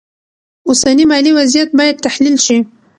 اوسنی مالي وضعیت باید تحلیل شي.